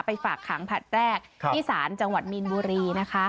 ฝากขังผลัดแรกที่ศาลจังหวัดมีนบุรีนะคะ